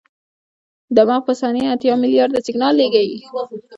دماغ په ثانیه اتیا ملیارده سیګنال لېږي.